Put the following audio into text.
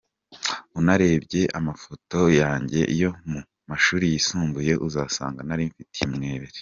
Unarebye amafoto yanjye yo mu mashuri yisumbuye, uzasanga nari mfite inweri.”